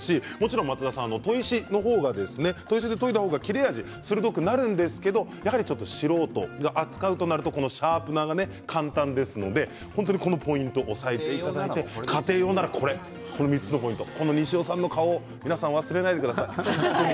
松田さん、砥石の方が切れ味、鋭くなるんですけれどやはり素人が扱うとなるとシャープナーが簡単ですのでこのポイントを押さえていただいて、家庭用ならこれ西尾さんの顔を皆さん、忘れないでください。